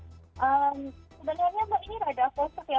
sebenarnya mbak ini agak kosong ya